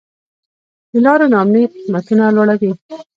د لارو نا امني قیمتونه لوړوي.